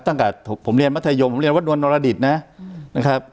ตั้งแต่ผมเรียนมัธยมผมเรียนวัฒนวรรณรดิตนะอืมนะครับ